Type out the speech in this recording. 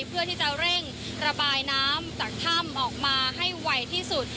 เพื่อที่จะเร่งระบายน้ำจากถ้ำออกมาให้ไวที่สุด